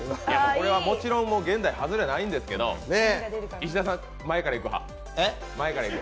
これはもちろん現在、外れはないんですけど石田さん、前からいく派？